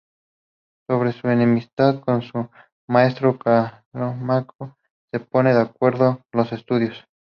Sobre su enemistad con su maestro Calímaco no se ponen de acuerdo los estudiosos.